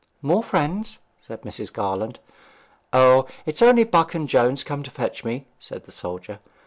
'More friends?' said Mrs. Garland. 'O, it is only Buck and Jones come to fetch me,' said the soldier.